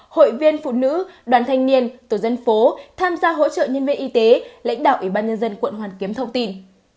hội viên phụ nữ đoàn thanh niên tổ dân phố tham gia hỗ trợ nhân viên y tế lãnh đạo ủy ban nhân dân quận hoàn kiếm thông tin